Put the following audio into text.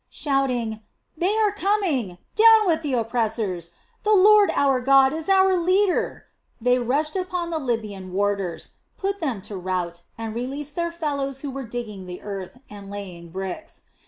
Shouting: "They are coming! Down with the oppressors! The Lord our God is our leader!" they rushed upon the Lybian warders, put them to rout, and released their fellows who were digging the earth, and laying bricks.